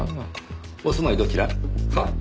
お住まいどちら？は？